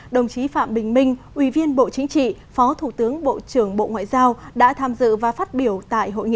đồng chí phạm bình minh ủy viên bộ chính trị phó thủ tướng bộ trưởng bộ ngoại giao đã tham dự và phát biểu tại hội nghị